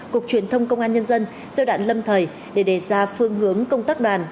cục truyền thông công an nhân dân giai đoạn lâm thời để đề ra phương hướng công tác đoàn